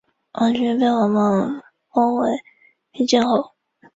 怀特在纽约市皇后区一个工人阶级家庭成长。